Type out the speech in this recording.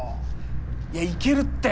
いやいけるって。